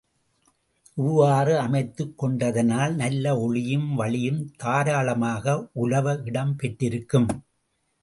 இவ்வாறு அமைத்துக் கொண்டதனால் நல்ல ஒளியும், வளியும் தாராளமாக உலவ இடம் பெற்றிருக்கும்.